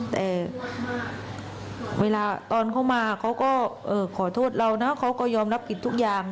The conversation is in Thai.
แต่เวลาตอนเขามาเขาก็ขอโทษเรานะเขาก็ยอมรับผิดทุกอย่าง